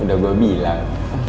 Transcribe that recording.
udah gue bilang